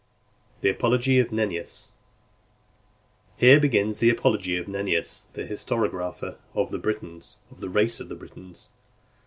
II. THE APOLOGY OF NENNIUS Here begins the apology of Nennius, the historiographer of the Britons, of the race of the Britons.